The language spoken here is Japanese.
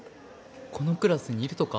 このクラスにいるとか？